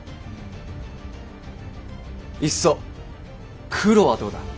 いっそ黒はどうだ。